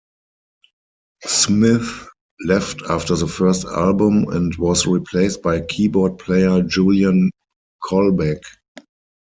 Smith left after the first album and was replaced by keyboard player Julian Colbeck.